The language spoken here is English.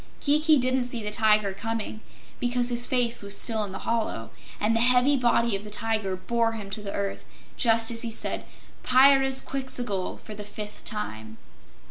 Kiki didn't see the Tiger coming because his face was still in the hollow, and the heavy body of the tiger bore him to the earth just as he said "Pyrzqxgl!" for the fifth time.